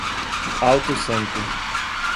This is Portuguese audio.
Alto Santo